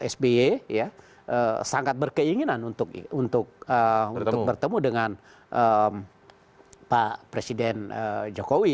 sby sangat berkeinginan untuk bertemu dengan pak presiden jokowi